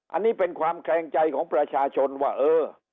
อันนี้เป็นความแคลงใจของประชาชนว่าเออ